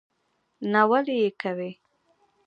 نه ولي یې کوې?